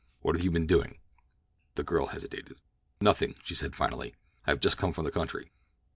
What have you been doing?" The girl hesitated. "Nothing." she said finally; "I have just come from the country."